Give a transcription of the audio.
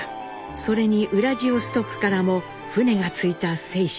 それにウラジオストックからも船が着いた清津。